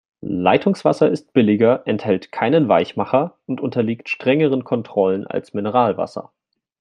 Leitungswasser ist billiger, enthält keinen Weichmacher und unterliegt strengeren Kontrollen als Mineralwasser.